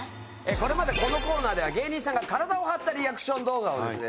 これまでこのコーナーでは芸人さんが体を張ったリアクション動画をですね